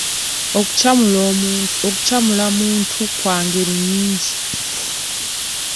Okukyamula muntu kwa ngeri nnyingi.